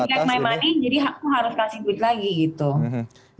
jadi aku harus kasih duit lagi